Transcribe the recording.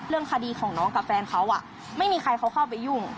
คดีของน้องกับแฟนเขาไม่มีใครเขาเข้าไปยุ่ง